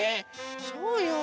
そうよ。